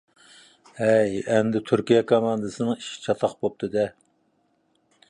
ھەي، ئەمدى تۈركىيە كوماندىسىنىڭ ئىشى چاتاق بولۇپتۇ-دە!